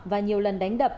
và nhiều lần đánh đập